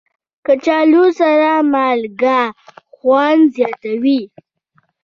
کچالو سره مالګه خوند زیاتوي